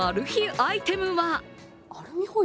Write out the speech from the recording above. アイテムは？